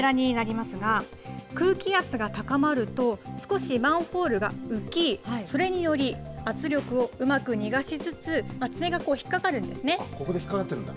こちらになりますが空気圧が高まると少しマンホールが浮きそれにより圧力をうまく逃しつつ爪が引っ掛かるんですね。